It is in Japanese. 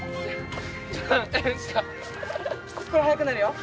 こっから速くなるよ。